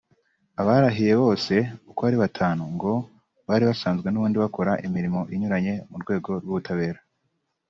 Abarahiye bose uko ari batanu ngo bari basanzwe n’ubundi bakora imirimo inyuranye mu rwego rw’ubutabera